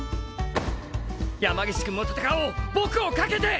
山岸くんも戦おう僕を懸けて！